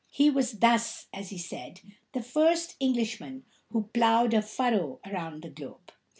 He was thus, as he said, the first Englishman who "plowed a furrow around the globe."